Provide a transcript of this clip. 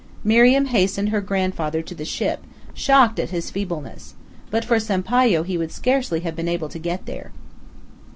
Miriam hastened her grandfather to the ship, shocked at his feebleness; but for Sampayo he would scarcely have been able to get there.